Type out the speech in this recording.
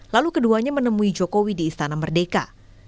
lalu keduanya menemui jokowi di istana merdeka